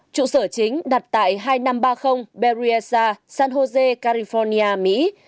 trụ sở chính đặt tại hai nghìn năm trăm ba mươi berryessa san jose california mỹ